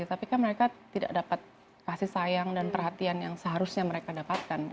tapi kan mereka tidak dapat kasih sayang dan perhatian yang seharusnya mereka dapatkan